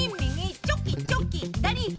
チョキチョキ左左。